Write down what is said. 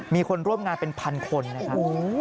มีคนร่วมงานเป็นพันคนนะครับ